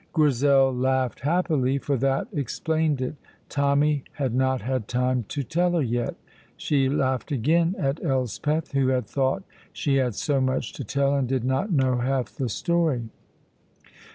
Grizel laughed happily, for that explained it. Tommy had not had time to tell her yet. She laughed again at Elspeth, who had thought she had so much to tell and did not know half the story.